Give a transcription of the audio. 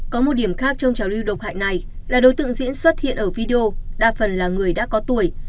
có một điểm khác trong trào lưu độc hại này là đối tượng diễn xuất hiện ở video đa phần là người đã có tuổi